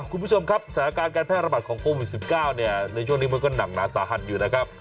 คุณผู้ชมครับสถานการณ์การแพร่ระบาดของโควิด๑๙ในช่วงนี้มันก็หนักหนาสาหัสอยู่นะครับ